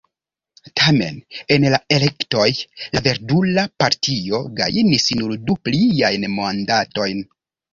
Tamen en la elektoj la Verdula Partio gajnis nur du pliajn mandatojn.